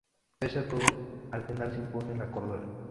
Pese a todo, al final se impone la cordura.